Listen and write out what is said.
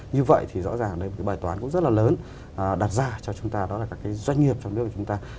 như vậy thì rõ ràng đây là một cái bài toán cũng rất là lớn đặt ra cho chúng ta đó là các cái doanh nghiệp trong nước của chúng ta